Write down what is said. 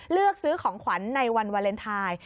เลือกซื้อของขวัญในวันวาเลนไทย